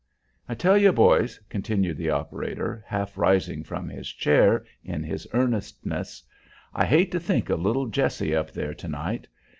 "I tell you, boys," continued the operator, half rising from his chair in his earnestness, "I hate to think of little Jessie up there to night.